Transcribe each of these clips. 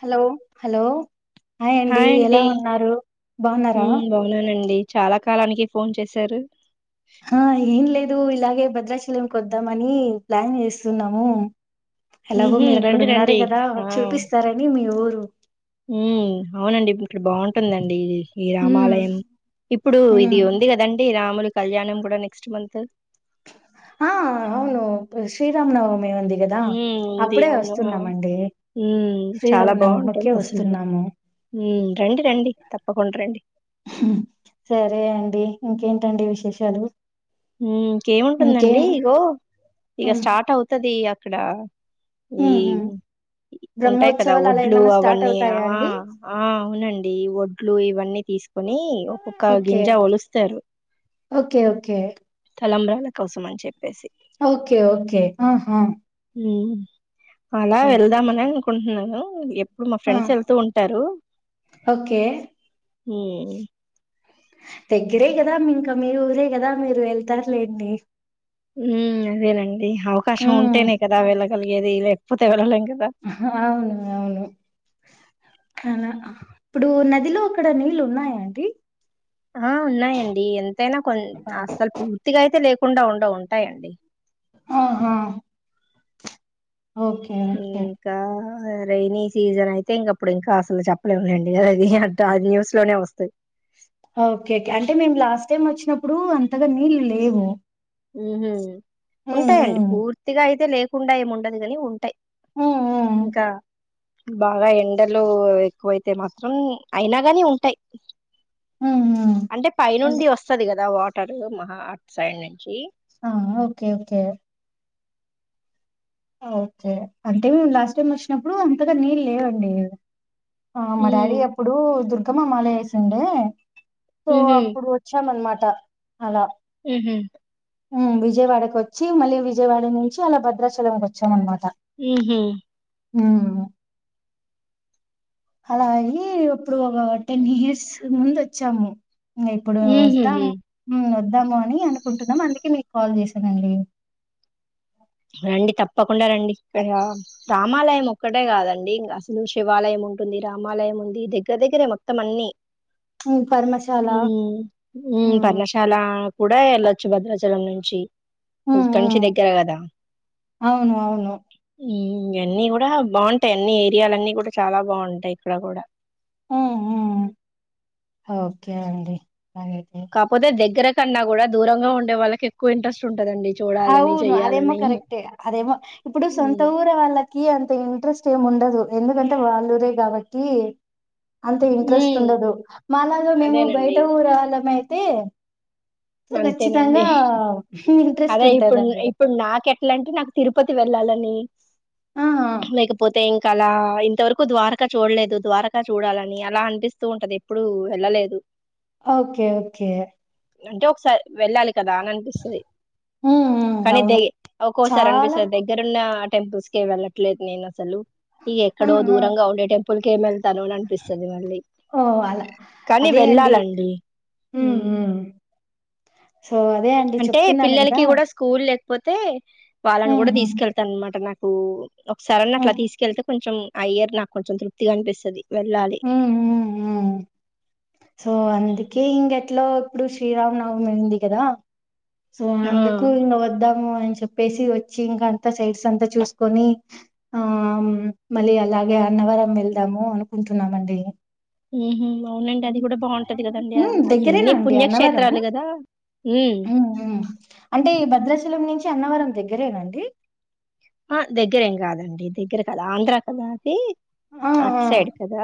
Hello hello hi అండి ఎలా ఉన్నారు బాగున్నారా హ్మ్ బాగున్నానండి చాలా కాలానికి ఫోన్ చేశారు ఆ ఏన్లే దూ ఇలాగే భద్రాషలం కొద్దామనీ ప్లాన్ చేస్తున్నాము ఎలాగో ఉహూ మీరు అక్కడ రండి ఉన్నారు రండి కదా ఆ చూపిస్తారని మీ ఊరు బాగుంటుందండీ ఈ ఉమ్ రామాలయం ఇప్పుడు ఇది ఉమ్. ఉంది కదండి రామ్ కళ్యాణం కూడా నెక్స్ట్ మంత్ ఆ అవును శ్రీరామ్ నవమ్ మ్ ఉంది అవును అ మ్ చాలా బాగుంటుంది శ్రీరామనవమికే అసలు వస్తున్నాము రండి రండి తప్పకుండ్ రండి సరే అండి ఇంకేంటండి విశేషాలు మ్ ఇంకేం కేముంటుందండి ఇగో ఇక ఉమ్, స్టార్ట్ అవుతది ఇక్కడా ఈ ఉమ్, ఉమ్. ఉంటాయి కదా బ్రహ్మోత్సవాలు అలా ఒడ్లు ఏమైన్నా స్టార్ట్ అవన్నీ అవుతాయా ఆ అండి ఆ అవునండి ఒడ్లు ఇవన్నీ తీసుకొని ఒక్కొక్క గింజా ఒలుస్తారు ఒకే ఒకే తలంబ్రాల కోసం అని చెప్పేసి ఓకే ఓకే ఆహా మ్ అలా ఓహ్! వెళ్దామని అనుకుంటున్నాను ఎప్ మా ఆ! ఫ్రెండ్స్ ఎళ్తూ ఉంటారు ఓకే. మ్ దగ్గరే కదా ఇంకా మీ ఊరే కదా మీరు ఎళ్తారులేండి ఉమ్ అదేనండి అవకాశం హ్మ్. ఉంటేనే కదా వెళ్ళ గలిగేది లేకపోతే ఎవరన్ అహ్ అవును అవును కన ఇప్పుడు నదిలో అక్కడ నీళ్ళు ఉన్నాయా అండి ఆ ఉన్నాయండి ఎంతైనా కొన్ అస్సలు పూర్తిగా అయితే లేక్ కుండా ఉండవు ఉంటాయండి ఆహా ఓకే ఓకే రైనీ సీజన్ అయితే ఇంకప్పుడు ఇంకా అసలు చెప్పలేము లేండి అది అంతా న్యూస్ లోనే వస్తయి ఓకే కె అంటే మేము లా స్ట్ టైమ్ వచ్చినప్పుడు అంతగా నీళ్ళు లేవు ఉహు హ్మ్. ఉంటాయండి హ్మ్. పూర్తిగా అయితే లే కుండా ఏం ఉండది గాని ఉంటాయి హ్మ్. హ్మ్. ఇంకా బాగా ఎండలు ఎక్కువైతే మాత్రం అయినా గాని ఉంటాయి హ్మ్. హ్మ్. అంటే అంటే పైనుండి వస్తది కదా వాట్ టర్ మహా అట్ సైడ్ నున్ చి ఆ ఓకే ఓకే ఓకే అంటే మేము లాస్ట్ టైమ్ వచ్చినప్పుడు అంతగా నీళ్ళు లేవండి ఆ మా డాడీ ఉహు అప్పుడు దుర్ కమ్మ మాలా ఏసీ ఉండే సో ఉహు అప్పుడు వచ్చాము అన్నమాట్ ట అలా ఉహు ఉమ్ విజయవాడ కొచ్చి మళ్ళీ విజయవాడ నుంచి అలా భద్రాచలం కొచ్ చం అనమాట ఉహు హ్మ్మ్ అలా అయి ఇప్పుడు ఒక టెన్ ఇయర్స్ ముందు ఒచ్చాము ఇంగ ఇప్పుడు వస్తాం ఉహుహు ఉమ్ వద్ దాము అని అనుకుంటున్నాం అందుకే మీకు కాల్ చేసానండి రండి తప్పకుండా రండి ఇక్కడ రామాలయం ఒక్కటే కాదండి అసలు శివాలయం ఉంటుంది రామాలయం ఉంది దెగ్గర్ దెగ్గరే మొత్తం అన్ని ఉమ్ పర్మశాల ఉమ్ ఉమ్ పర్ణశాల కూడా ఎళ్ళొచ్చు భద్రాచలం నుంచి ఉమ్ కంచి ఉమ్ దగ్గర కదా అవును అవును ఉమ్ ఇవన్నీ కూడా బాగుంటాయి అన్ని ఏరియాలన్ని కూడా చాలా బాగుంటాయి ఇక్కడ కూడా ఆ ఆ ఆ, ఓకే అండి. అలాగైతే కాపోతే దగ్గర కన్నా కూడ, దూరంగ ఉండే వాళ్ళకి ఎక్కువ ఇంట్రెస్ట్ ఉంటదండి. చూడాలని అవును అదేమో చెయ్యాలని కరెక్టే అదేమో, ఇప్పుడు సొంతూరు వాళ్ళక్ కి అంత ఇంట్రెస్ట్ ఏం ఉండదు, ఎందుకంటే వాళ్ళురే కాబట్టి! అంతే ఇంట్రెస్ట్ మ్మ్ ఉండదు, మల్లజూడు మేము అదేనండి బయట ఊరాళ్ళమైత్ తే సో, ఖచ్చితంగా ఇంట్రెస్ట్ తే ఇప్పుడ్ ఉంటదండి ఇప్పుడు నాకెట్లా అంటే, నాకు తిరుపతి వెళ్ళాలని. ఆ ఉమ్ లేకపోతే ఇంక్ తలా ఇంతవరకు ద్వారకా చూడలేదు, ద్వారకా చూడాలని, అలా అనిపిస్తూ ఉంటది ఎప్పుడూ ఎళ్ళలేదు. Okay okay. అంటే ఒకసార్ వెళ్ళాలి. కదా అని అనిపిస్తాది. హ్మ్ హ్మ్ కనీ అవును దయి ఒక్కోసారి చాలా అనిపిస్తది దగ్గరున్నా అట్ టెంపుల్స్ కే వెళ్ళట్లేదు నేనసలు. ఇగ ఎక్కడో హ్మ్ హ్మ్ దూరంగా ఉండే టెంపు పుల్కేమెల్ తను నన్పిస్తది మళ్ళీ, ఓ అలా కనీ అదే అండి వెళ్ళాలండి. హ్మ్ ఉమ్ హ్మ్ సో అదే అండి అంటే చెప్తున్నాను కదా పిల్లలకి కూడా స్కూల్లెక్ పోతే వాళ్ళని హ్మ్ గూడ హ్మ్ తీసుకెళ్తాన్నమాట, నాక్ కూ ఒకసారన్న హ్మ్ అట్లా తీసుకెళ్తే కొంచెం ఆ ఇయర్ నాకు కొంచెం తృప్తిగనిపిస్తది. వెెళ్ళాలి. హ్మ్ హ్మ్ హ్మ్ సో అందుకే, ఇంగెట్లో ఇప్పుడు శ్రీరామ నవమి ఉంది కదా! సో ఆ అందుకు ఇంగ వద్దామ్ ఉ అని చెప్పేసి వచ్చి, ఇంకా అంతా సైట్స్ అంతా చూసుకొని, ఆ మళ్ళీ అలాగే అన్నవరం వెళ్దాము అనుకుంటున్నామండి. ఉహూ, మ ఉమ్ అయన్ని దగ్గరేనండి అన్నవరము పుణ్యక్షేత్రాలు కదా, ఉమ్. టే భద్రాచలం నుంచి అన్నవరం దగ్గరేన అండి? అ దగ్గరేం కాదండి దగ్గర కాదు, ఆంధ్ర కదా అదీ. ఆ అట్ ఆ సైడ్ కదా?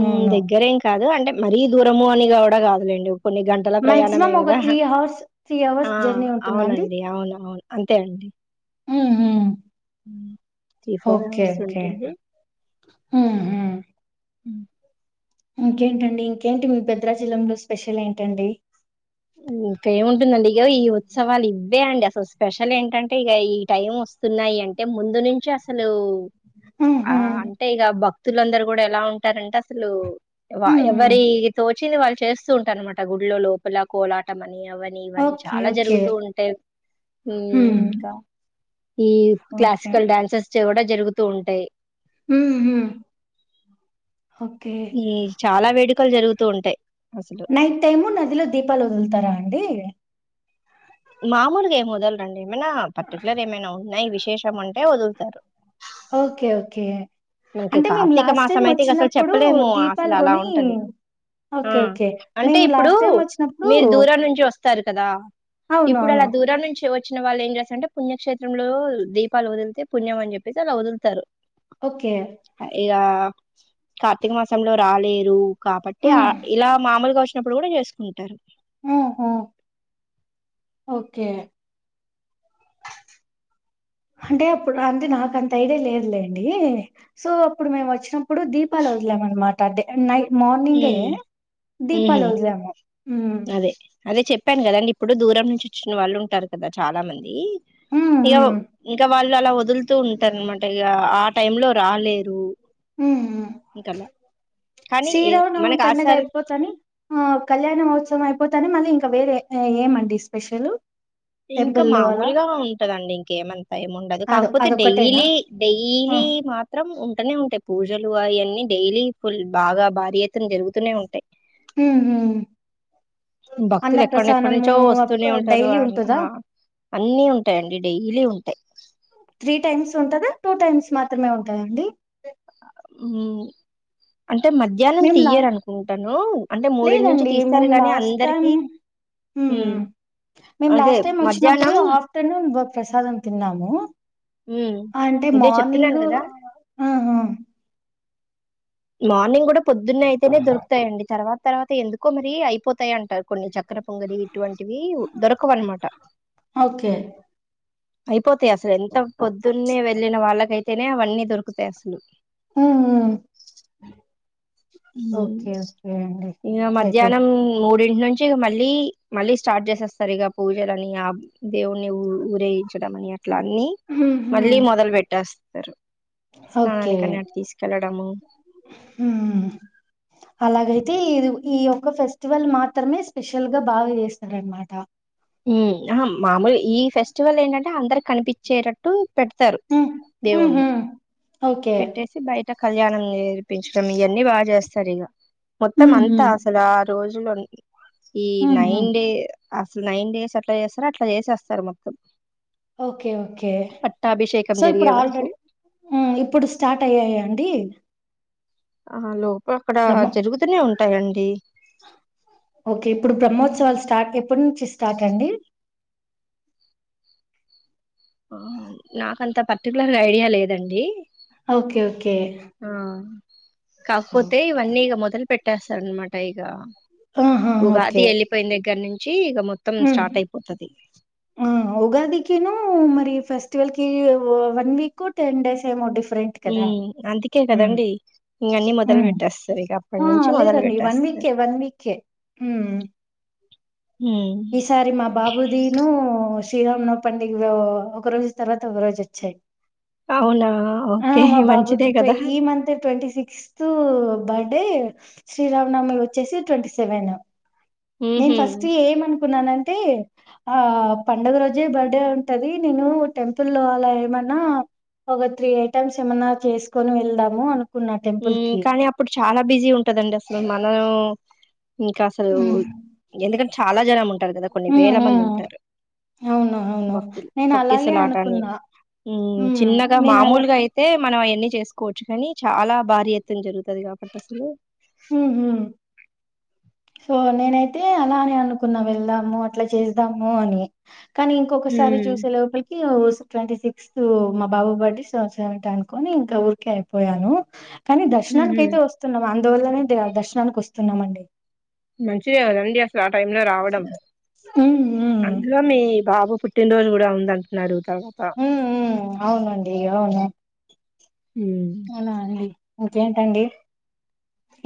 ఉమ్ దగ్గరేం కాదు అంటే మ్ మరీ దూరము అని కుడా కాదులేండి కొన్ని గంటల ప్రయాణమే మాక్సిమం ఒక కదా త్రీ అవర్స్ త్రీ అవర్స్ ఆ జర్నీ ఉంటుందండి అవునండి అవును అవును అంతే అండి యూ యూ త్రీ ఫోర్ అవర్స్ ఉంటుంది హహ హు ఇంకేంటండి ఇంకేంటి మీ భద్రాచలం లో స్పెషల్ ఏంటండీ ఇంకా ఏముంటుందండి ఇగో ఈ ఉత్సవాలు ఇవే అండి అసలు స్పెషల్ ఏంటంటే ఇక ఈ టైం వస్తున్నాయి అంటే ముందు నుంచి అసలు ఆ ఆహా! అంటే ఇగ బక్ భక్తులందరు కూడా ఎలా ఉంటారంటే అసలు వ హుహు. ఎవరి తోట్ వచ్చింది వాళ్ళు చేస్తూ ఉంటారు వాళ్ళు గుళ్ళో లోపల కోలాటం నీ అవని ఇవని ఓకే. చాలా ఓకే. జరుగుతూ ఉంటాయి హ్మ్. ఇంకా ఈ ఓకే. క్లాసికల్ డ్యాన్సెస్ కూడా జరుగుతూ ఉంటాయి హు హు ఓకే ఈ చాలా వేడుకలు జరుగుతూ ఉంటాయి అసలు నైట్ టైమ్ ము నదిలో దీపాలు వదులుతారా అండి మామూలుగా ఏమి వదలరండి ఏమైనా పర్టికులర్ ఏమైనా ఉన్నాయి విశేషం అంటే వదులుతారు కే మనకి కార్తీక మాసం అయితే ఇగ అసలు చెప్పలేము అసల దీపాలు అలా కొని ఉంటది ఆ ఓకే. ఓకే. అంటే మేము ఇప్పుడు లాస్ట్ టైమ్ వచ్చినప్పుడు మీరు దూరం నుంచి వస్ స్తారు కదా ఇప్పుడు అవునవును. అలా దూరం నుంచి వ వచ్చిన వాళ్ళు ఏం చేస్తారంటే పుణ్యక్షేత్రంలో దీపాలు వదిలితే పుణ్యం అని చెప్పేసి అలా వదులుతారు ఓకే. ఆ ఇగ కార్తీక మాసంలో రాలేరు కాబట్టి ఆ హ్మ్. ఇలా మామలుగా వచ్చినప్పుడు కూడా చేసుకుంటారు ఓహో ఓకే అంటే అప్పుడు అంటే నాకు అంత ఐడియా లేదులేండి సో అప్పుడు మేము వచ్చినప్పుడు దీపాలు వదిలాం అనమాట డే నైట్ మార్నింగ్ ఏ ఉమ్ ఉహు దీపాలు వదిలాము హ్మ్. అదే అదే చెప్ చెప్పాను కదండి ఇప్పుడు దూరం నుంచి వచ్చిన వాళ్ళు ఉంటారు కదా చాలా మంది హ్మ్. ఇ్య హ్మ్. ఇంకా వాళ్ళ లల్ల వదులుతూ ఉంటారు అనమాట ఇగ టైం లో రాలేరు హ్మ్. హ్మ్. ఇంకా అలా శ్రీరామనవమి పండుగ అయిపోతనే ఆ కళ్యాణ మహోత్సవం అయిపో పోతేనే మళ్ళీ ఇంకా వేరే ఏమండి స్పెషల్ ఇంకా మామూలుగా ఉంటదండి ఇంకేం ఏమంతా ఏమిండదు అదొ కాకపోతే అదొక్కటేనా? డైలీ ఆ! డైలీ మాత్రం ఉంటూనే ఉంటాయి పూజలు అవన్నీ డైలీ ఫుల్ బాగా భారీ ఎత్తన జరుగుతూనే ఉంటాయ్ ఉహు భక్తులు ఎక్కడెక్కడ నుంచో వస్తూనే ఉంటారు డైలీ అ ఉంటదా? ఆ అన్ని ఉంటాయండి డైలీ ఉం టాయ్ త్రీ టైమ్స్ ఉంటదా టూ టైమ్స్ మాత్రమే ఉంటాయండి హు మేము లా అంటే మూడింటి నుంచి లేదండి మే తీస్తారు గాని లాస్ట్ టైమ్ అందరికి హ్మ్ మేము అదే లాస్ట్ టైం వచ్చినప్పుడు మధ్యాహ్నం ఆఫ్టర్నూన్ ఒక ప్రసాదం తిన్నాము హ్మ్ అంటే అదే చెప్తున్నాను మార్నింగ్ కదా ఆహా మార్నింగ్ కూడా పొద్దున్న అయితేనే దొరుకుతాయండి తర్వాత తర్వాత ఎందుకో మరి అయిపోతాయి అంటారు కొన్ని చక్కర పొంగలి ఇటువంటివి దొరకవన్నమాట ఓకే అయిపో పోతాయి అసలు ఎంత పొద్దున్నే వెళ్ళిన వాళ్ళకైతే తేనే అవన్నీ దొరుకుతాయి అసలు ఉహు హు ఇగ అట్లయితే మధ్యాహ్నం మూడి ఇక నుంచి మళ్ళీ మళ్ళీ స్టార్ట్ చేసేస్తారు ఇక పూజలని ఆ దేవుడికి మళ్ళీ ఊ ఊరేయించడం అని అట్లా అన్ని మళ్ళీ మొదలు పెట్టేస్త స్తరు ఓకే స్నానానికి అనీ అటు తీసుకెళ్లడము ఉమ్ అలాగైతే ఇది ఈ ఒక్క ఫెస్టివల్ మాత్రమే స్పెషల్ గా బాగా చేస్తారనమాట ఊ అహ మామూలు ఈ ఫెస్టివల్ ఏంటంటే అందరికి కనిపిచ్చేటట్టు పెడతారు ఉమ్ దేవుణ్ణి ఉహు ఓకే పెట్టేసి బయట ఇక కళ్యాణం చేపించడం ఇయన్నీ బాగా చేస్తారు ఇగా మొత్తం ఉహు అంతా అసల రోజులు అన్ని ఈ ఉహు నైన్ డే అసలు నైన్ డేస్ అట్లా చేస్తరొ అట్లా చేసేస్తారు మొత్తం ఓకే ఓకే పట్టాభిషేకం సో ఇప్పుడు జరిగే వరకు ఆల్రెడీ ఉమ్ ఇప్పుడు స్టార్ట్ అయ్యాయా అండి ఆ హలో అక్కడ బ్రహ్మ జరుగుతూనే ఉం టయండి ఓకే ఇప్పుడు బ్రహ్మోత్సవాలు స్టార్ట్ ఎప్పటి నుంచి స్టార్ట్ అండి ఆ నాకంత పర్టికులర్ గా ఐడియా లేదండి ఓకే ఓకే ఆ కాకపోతే ఇవన్నీ ఇగ మొదలుపెట్ పట్టేస్తారన్నమాట ఇగ ఉగాది వెళ్ళిపోయిన దగ్గర నిం ఉమ్ ఆ ఉగాదికిను మరి ఫస్ట్ ట్వల్ కి వన్ వీక్ టెన్ డేస్ ఏమో డిఫ ఉ అందుకే కదండడి ఇక అన్ని మొదలు హ్మ్. పెట్టేస్తారు ఇక అప్పటి ఆ! నుంచి మొదలు లేదండి పెట్టేస్తారు వీకే, వీకే. హ్మ్. ఉమ్ ఈసారి మా బాబు దీను శ్రీరామున పండగ ఒక రోజు తర్వాత ఒక రోజు వచ్చయి అవునా ఆ ఓకే మా మంచిదే బాబుది కదా ఈ month twenty sixth birthday Sri Rama Navami వచ్చేసి ట్వంటీ సెవెన్ నేన్ ఉహు ఫస్ట్ ఏం అను కున్నానంటే ఆ పండుగ రోజే బర్త్డే ఉంటది నేను టెంపుల్ లో అలా ఏమన్నా ఒక త్రీ ఐటమ్స్ ఏమన్నా చేసుకొని వెళ్దాము అనుకు ఉమ్ కానీ అప్పుడు చాలా బిజీ ఉంటదండి అసలు మనం ఇంకా అసలు హ్మ్ ఎందుకంటే చాలా జనం ఉంటారు కదా కొన్ని హ్మ్ వేల మంది హ్మ్. ఉంటారు అవును అవును భక్తులు నేను అలాగే తొకిసలాటాన్ని అనుకున్నా హ్మ్ చిన్నగా నేను అలా మామూలుగా అయితే మనం అన్ని చేసుకోవచ్చు కానీ చాలా బారి ఎత్తునా జరుగు తది కాబట్టి అసలు హ్మ్ హ్మ్ సో నేనైతే అలాని అనుకున్నా వెళ్దాము అట్లా చేదాము అని కానీ ఇంకొకసారి ఉమ్ చూసే లోపలికి ట్వంటీ సిక్స్త్ మా బాబు బర్త్డే సంవత్సరంట అనుకొని ఇంకా ఊరికే అయిపోయాను కానీ దర్శనానికి ఉహు అయితే వస్తున్నాం అ అందువల్లనే దర్శనానికి వస్తున్నామండి మంచిదివదండి అస్ ఆ టైంలో రావడం ఉమ్ ఉమ్ అందులో మీ బాబు పుట్టినరోజు కూడా ఉం ఉందంటున్నారు తర్వాత హ్మ్ హ్మ్ అవునండి అవును ఉమ్ అవునా అండి ఇంకేంటండి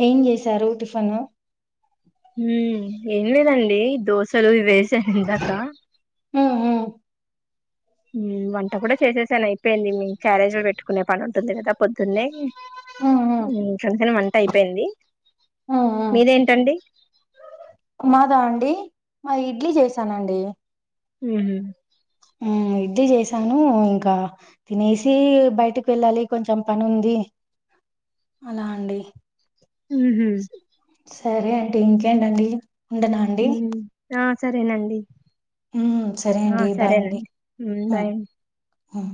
ఏం చేసారు టిఫను హ్మ్ ఏం లేదండి దోసలు ఇవేస్ శా ఇందాక ఉమ్ హ్మ్ వంట కూడా చేసేసాను అయిపోయిందండి క్యారేజ్ లో పెట్టుకునే పని ఉంటుంది కదా పొద్దున్నే ఉమ్ హ్మ్ అందుకన్ అయిపోయింది హ్మ్ హ్మ్ మీదేంటండి మాదా అండి మాది ఇడ్లీ చేసానండి హ్మ్ ఇడ్లీ చేశాను ఇంకా తినేసి బయటకి వెళ్ళాలి కొంచెం పని ఉంది. ఊ హ్మ్ సరే అండి ఇంకేంటండి ఉండనా అండి ఆ సరేనండి హ్మ్ సరే ఆ అండి బాయ్ అండి సరేనండి హ్మ్ బాయ్ అండి హ్మ్